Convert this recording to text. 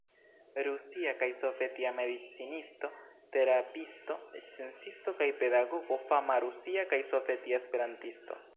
Rusia kaj sovetia medicinisto-terapiisto, sciencisto kaj pedagogo, fama rusia kaj sovetia esperantisto.